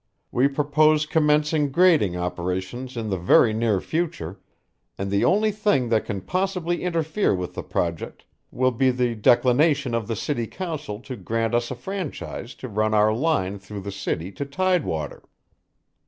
We purpose commencing grading operations in the very near future, and the only thing that can possibly interfere with the project will be the declination of the city council to grant us a franchise to run our line through the city to tidewater."